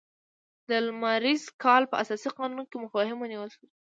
د لمریز کال په اساسي قانون کې مفاهیم ونیول شول.